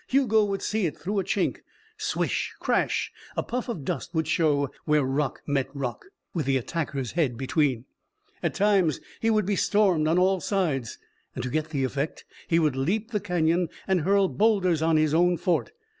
Hugo would see it through a chink. Swish! Crash! A puff of dust would show where rock met rock with the attacker's head between. At times he would be stormed on all sides. To get the effect he would leap the canyon and hurl boulders on his own fort.